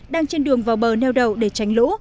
đang trên đường vào bờ neo đậu để tránh lũ